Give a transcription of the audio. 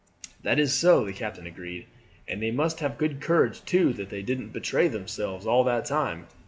"That is so," the captain agreed; "and they must have good courage too that they didn't betray themselves all that time.